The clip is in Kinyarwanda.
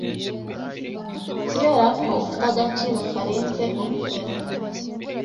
Kubera ko ufite agaciro karenze urugero